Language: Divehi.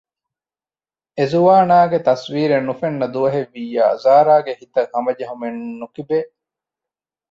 އެޒުވާނާގެ ތަސްވީރެއް ނުފެންނަ ދުވަހެއް ވިއްޔާ ޒާރާގެ ހިތަށް ހަމަޖެހުމެއް ނުކިބޭ